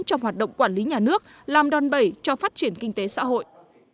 trong hoạt động quản lý nhà nước làm đòn bẩy cho phát triển kinh tế xã hội